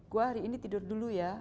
gue hari ini tidur dulu ya